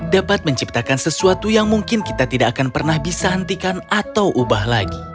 dapat menciptakan sesuatu yang mungkin kita tidak akan pernah bisa hentikan atau ubah lagi